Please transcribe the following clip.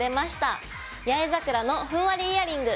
「八重桜のふんわりイヤリング」